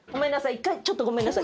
１回ちょっとごめんなさい。